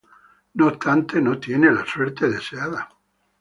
No obstante, no tiene la suerte deseada.